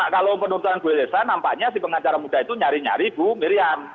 kalau penuntutan bu elsa nampaknya si pengacara muda itu nyari nyari bu miriam